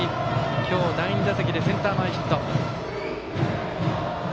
今日第２打席でセンター前ヒット。